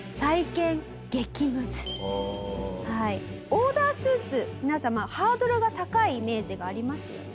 オーダースーツ皆様ハードルが高いイメージがありますよね。